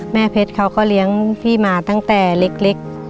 แม่เพชรเขาก็เลี้ยงพี่มาตั้งแต่เล็ก